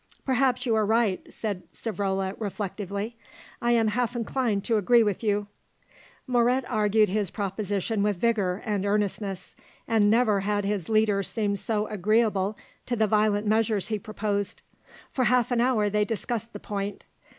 "Perhaps you are right," said Savrola reflectively, "I am half inclined to agree with you." Moret argued his proposition with vigour and earnestness, and never had his leader seemed so agreeable to the violent measures he proposed. For half an hour they discussed the point.